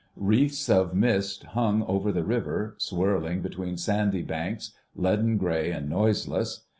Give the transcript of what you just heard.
Wreaths of mist hung over the river, swirling between sandy banks, leaden grey and noiseless.